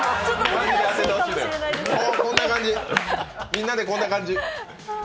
みんなでこんな感じ。